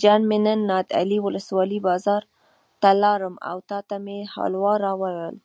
جان مې نن نادعلي ولسوالۍ بازار ته لاړم او تاته مې حلوا راوړل.